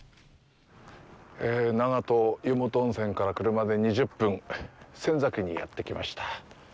長門湯本温泉から車で２０分、仙崎にやってきました。